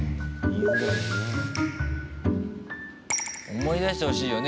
思い出してほしいよね。